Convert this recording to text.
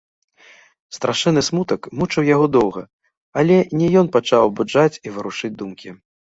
Страшэнны смутак мучыў яго доўга, але не ён пачаў абуджаць і варушыць думкі.